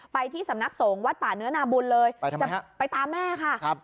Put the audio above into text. ไปที่สำนักสงฆ์วัดป่าเนื้อนาบุญเลยไปทำไมฮะไปตามแม่ค่ะครับ